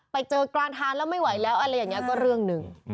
ไปเจอกลางทางแล้วไม่ไหวแล้วอะไรอย่างนี้ก็เรื่องหนึ่ง